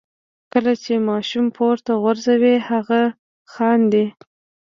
کله چې ماشوم پورته غورځوئ هغه خاندي.